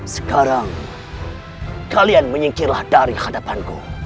sekarang kalian menyingkirlah dari hadapanku